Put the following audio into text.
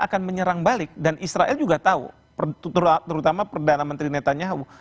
akan menyerang balik dan israel juga tahu terutama perdana menteri netanyahu